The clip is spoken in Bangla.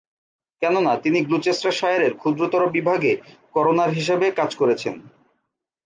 কেননা, তিনি গ্লুচেস্টারশায়ারের ক্ষুদ্রতর বিভাগে করোনার হিসেবে কাজ করেছেন।